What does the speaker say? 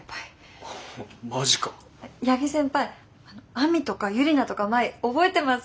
亜美とか由利奈とか麻衣覚えてます？